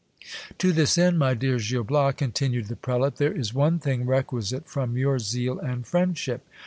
To this end, my dear Gil Bias, continued the prelate, there is one thing re quisite from your zeal and friendship.